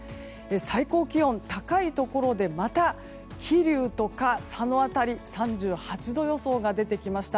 最高気温、高いところでまた、桐生とか佐野辺りでは３８度予想が出てきました。